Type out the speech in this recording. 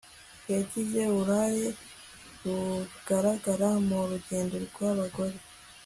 Yagize uruhare rugaragara mu rugendo rwabagore